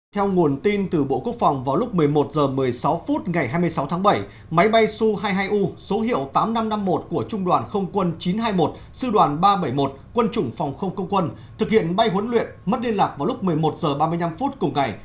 theo nguồn tin từ bộ quốc phòng vào lúc một mươi một h một mươi sáu phút ngày hai mươi sáu tháng bảy máy bay su hai mươi hai u số hiệu tám nghìn năm trăm năm mươi một của trung đoàn không quân chín trăm hai mươi một sư đoàn ba trăm bảy mươi một quân chủng phòng không không quân thực hiện bay huấn luyện mất liên lạc vào lúc một mươi một h ba mươi năm cùng ngày